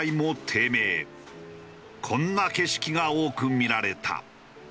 こんな景色が多く見られた。